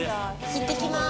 いってきまーす。